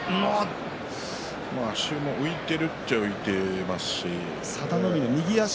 足も浮いているかというと浮いていますし。